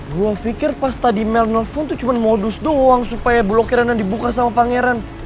gue pikir pas tadi mel nelfon tuh cuma modus doang supaya blokiran dan dibuka sama pangeran